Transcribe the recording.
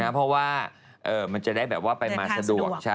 เพราะว่ามันจะได้มาสะดวก